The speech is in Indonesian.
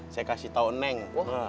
saya kasih tau neng